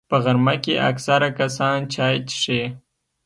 په غرمه کې اکثره کسان چای څښي